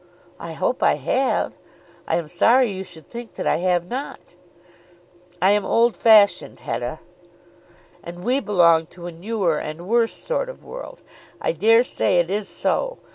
"I hope I have. I am sorry you should think that I have not." "I am old fashioned, Hetta." "And we belong to a newer and worse sort of world. I dare say it is so.